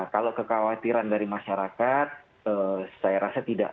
kalau kekhawatiran dari masyarakat saya rasa tidak